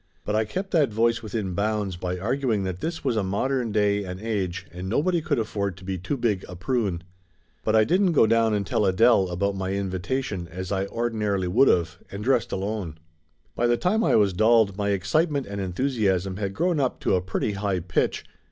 But I kept that voice within bounds by arguing that this was a modern day and age and nobody could afford to be too big a prune. But I didn't go down and tell Adele about my invitation as I ordinarily would of, and dressed alone. By the time I was dolled, my excitement and en thusiasm had grown up to a pretty high pitch.